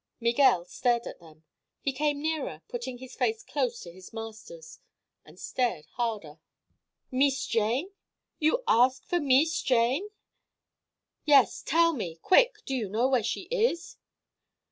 Miguel stared at them. He came nearer, putting his face close to his master's, and stared harder. "Mees Jane? You ask for Mees Jane?" "Yes. Tell me, quick, do you know where she is?"